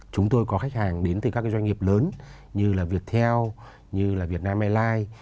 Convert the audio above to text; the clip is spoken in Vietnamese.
chúng tôi có khách hàng đến từ các cái doanh nghiệp lớn như là viettel như là vietnam airlines